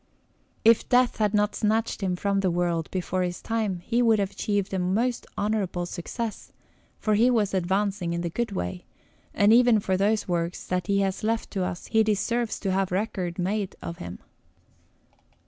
If death had not snatched him from the world before his time, he would have achieved a most honourable success, for he was advancing on the good way; and even for those works that he has left to us, he deserves to have record made of him.